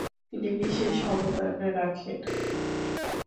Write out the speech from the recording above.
তিনি বিশেষ অবদান রাখেন।